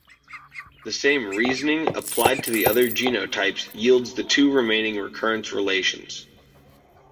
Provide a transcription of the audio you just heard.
The same reasoning, applied to the other genotypes yields the two remaining recurrence relations.